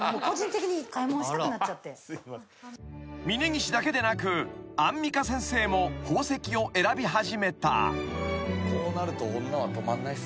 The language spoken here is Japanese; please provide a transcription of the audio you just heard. ［峯岸だけでなくアンミカ先生も宝石を選び始めた］